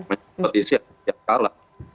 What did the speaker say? kalau yang kepotisian dia kalah